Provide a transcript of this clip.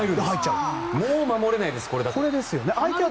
もう守れないです、これは。